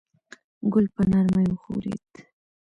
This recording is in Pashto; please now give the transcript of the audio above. ګل په نرمۍ وښورېد.